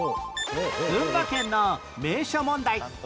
群馬県の名所問題